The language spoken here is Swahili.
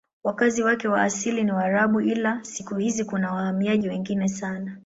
Wakazi wake wa asili ni Waarabu ila siku hizi kuna wahamiaji wengi sana.